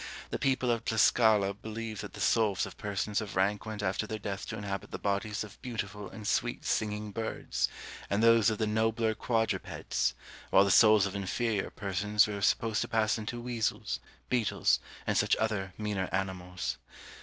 The people of Tlascala believe that the souls of persons of rank went after their death to inhabit the bodies of beautiful and sweet singing birds, and those of the nobler quadrupeds; while the souls of inferior persons were supposed to pass into weasels, beetles, and such other meaner animals.